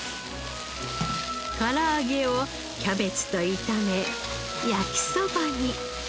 から揚げをキャベツと炒め焼きそばに。